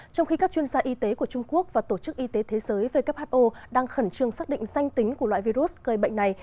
trong khi các chuyên gia y tế của trung quốc và tổ chức y tế thế giới who đang khẩn trương xác định danh tính của loại virus gây bệnh này